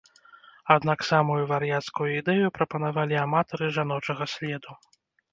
Аднак самую вар'яцкую ідэю прапанавалі аматары жаночага следу.